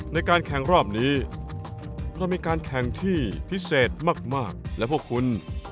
ในการแข่งรอบนี้เรามีการแข่งที่พิเศษมากและพวกคุณ